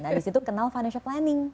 nah disitu kenal financial planning